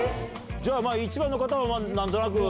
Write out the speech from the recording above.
じゃあ１番の方は何となく。